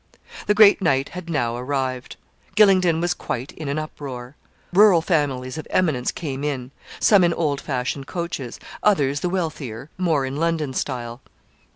The great night had now arrived. Gylingden was quite in an uproar. Rural families of eminence came in. Some in old fashioned coaches; others, the wealthier, more in London style.